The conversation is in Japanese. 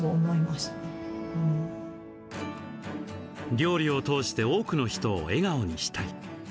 「料理を通して多くの人を笑顔にしたい」